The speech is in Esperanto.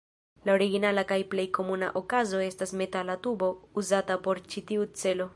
La originala kaj plej komuna okazo estas metala tubo uzata por ĉi tiu celo.